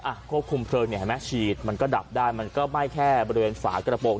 อะโคคุมเผลอเนี้ยมั๊ยมันก็ดับมันก็ไม่แค่บริเวณฝากระโปรง